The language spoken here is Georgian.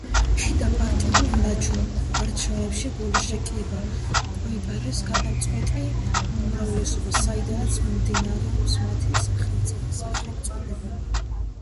შიდა პარტიულ არჩევნებში ბოლშევიკებმა მოიპოვეს გადამწყვეტი უმრავლესობა საიდანაც მომდინარეობს მათი სახელწოდება.